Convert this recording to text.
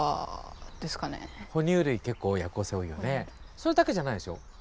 それだけじゃないでしょ？